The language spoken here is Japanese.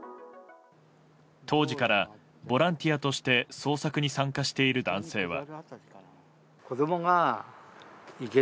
当時からボランティアとして捜索に参加している男性は。